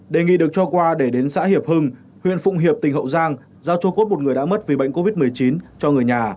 đề nghị được cho qua để đến xã hiệp hưng huyện phụng hiệp tỉnh hậu giang giao cho cốt một người đã mất vì bệnh covid một mươi chín cho người nhà